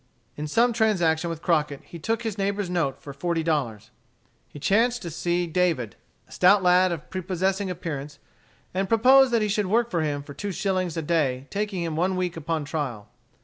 In some transaction with Crockett he took his neighbor's note for forty dollars. He chanced to see David, a stout lad of prepossessing appearance, and proposed that he should work for him for two shillings a day taking him one week upon trial.